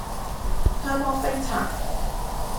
香芒冰茶